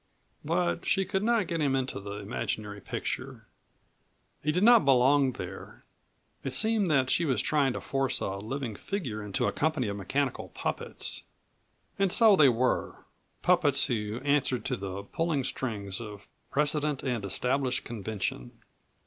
But she could not get him into the imaginary picture. He did not belong there; it seemed that she was trying to force a living figure into a company of mechanical puppets. And so they were puppets who answered to the pulling strings of precedent and established convention.